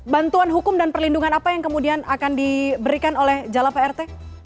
bantuan hukum dan perlindungan apa yang kemudian akan diberikan oleh jala prt